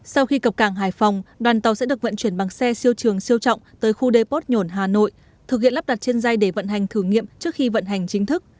sau khi cập cảng hải phòng đoàn tàu sẽ được vận chuyển bằng xe siêu trường siêu trọng tới khu depot nhổn hà nội thực hiện lắp đặt trên dây để vận hành thử nghiệm trước khi vận hành chính thức